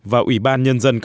và ủy ban nhân dân